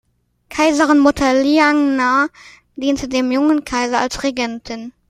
Kaiserinmutter Liang Na diente dem jungen Kaiser als Regentin.